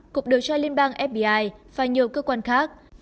cục điều tra liên bang fbi và nhiều cơ quan khác